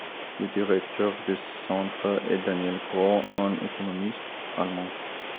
Le directeur du centre est Daniel Gros, un économiste allemand.